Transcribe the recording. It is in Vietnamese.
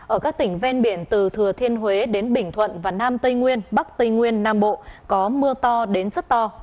ở các tỉnh ven biển từ thừa thiên huế đến bình thuận và nam tây nguyên bắc tây nguyên nam bộ có mưa to đến rất to